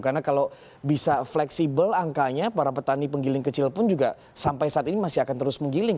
karena kalau bisa fleksibel angkanya para petani penggiling kecil pun juga sampai saat ini masih akan terus menggiling